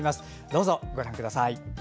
どうぞご覧ください。